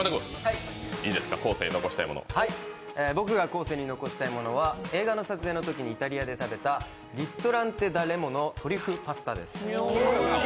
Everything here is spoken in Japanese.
僕が後世に残したいものは、映画の撮影のときにイタリアで食べたリストランテダレモのトリュフパスタです。